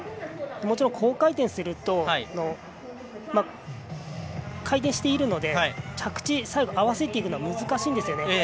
もちろん、高回転すると回転しているので着地、最後合わせていくの難しいんですよね。